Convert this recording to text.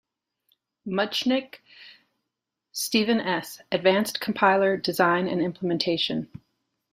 Muchnick, Steven S. "Advanced Compiler Design and Implementation".